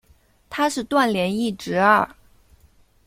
他是段廉义侄儿。